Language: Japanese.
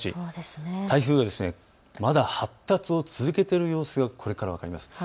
台風が、まだ発達を続けている様子が分かります。